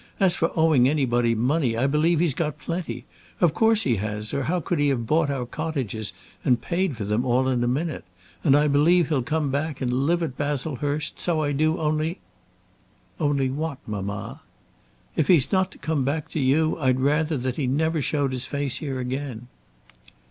As for owing anybody money, I believe he's got plenty. Of course he has, or how could he have bought our cottages and paid for them all in a minute? And I believe he'll come back and live at Baslehurst; so I do; only " "Only what, mamma?" "If he's not to come back to you I'd rather that he never showed his face here again."